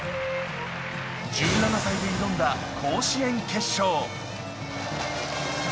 １７歳で挑んだ甲子園決勝。